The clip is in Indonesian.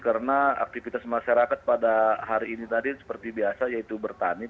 karena aktivitas masyarakat pada hari ini tadi seperti biasa yaitu bertani